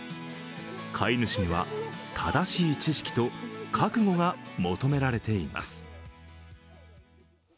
飼い主には正しい知識と覚悟が求められています。